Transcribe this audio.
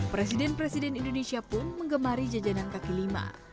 presiden presiden indonesia pun mengemari jajanan kaki lima